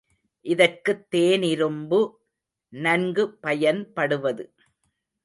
இதற்குத் தேனிரும்பு நன்கு பயன்படுவது.